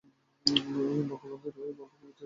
বঙ্গভঙ্গের রঙ্গভূমিতে বিদ্রোহীর অভিনয় শুরু হল।